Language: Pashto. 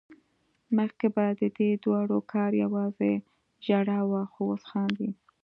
مخکې به ددې دواړو کار يوازې ژړا وه خو اوس خاندي